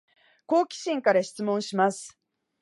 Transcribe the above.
好奇心から質問します